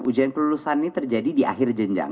ujian kelulusan ini terjadi di akhir jenjang